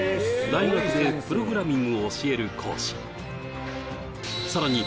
大学でプログラミングを教える講師さらに